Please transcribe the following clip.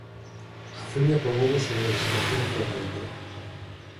A femia pon ovos sobre a vexetación flotante.